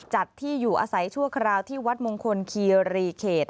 จัดที่อยู่อาศัยชั่วคราวที่วัดมงคลคีรีเขต